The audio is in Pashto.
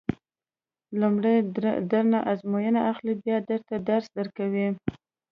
لومړی درنه ازموینه اخلي بیا درته درس درکوي.